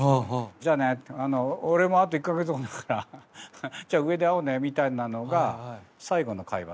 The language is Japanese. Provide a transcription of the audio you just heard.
「じゃあね」って「俺もあと１か月後だからじゃあ上で会おうね」みたいなのが最後の会話で。